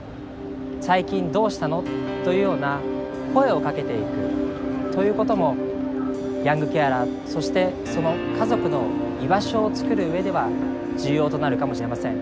「最近どうしたの？」というような声をかけていくということもヤングケアラーそしてその家族の居場所を作る上では重要となるかもしれません。